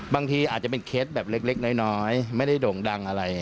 บางทีอาจจะเป็นเคสแบบเล็กน้อยไม่ได้โด่งดังอะไร